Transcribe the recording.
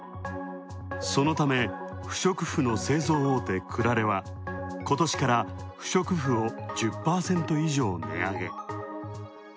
そのため、不織布の製造大手、クラレは今年から不織布を１０％以上値上げ。